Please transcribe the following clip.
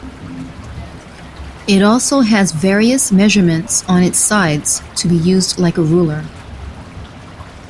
It also has various measurements on its sides to be used like a ruler.